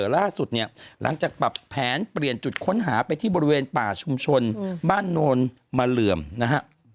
ล่าสุดเนี่ยหลังจากปรับแผนเปลี่ยนจุดค้นหาไปที่บริเวณป่าชุมชนบ้านโนนมะเหลื่อมนะฮะ